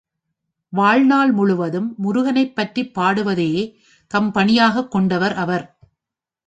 வாழ்நாள் முழுவதும் முருகனைப் பற்றிப் பாடுவதையே தம் பணியாகக் கொண்டவர் அவர்.